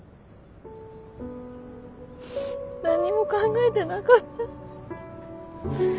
何にも考えてなかった。